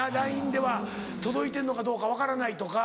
ＬＩＮＥでは届いてんのかどうか分からないとか。